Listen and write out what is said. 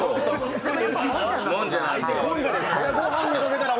もんじゃなんで。